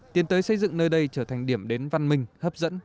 tiến tới xây dựng nơi đây trở thành điểm đến văn minh hấp dẫn